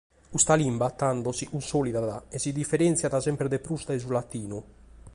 Custa limba tando si cunsòlidat e si diferèntziat semper de prus dae su latinu.